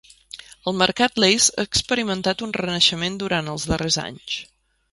El Mercat Lace ha experimentat un renaixement durant els darrers anys.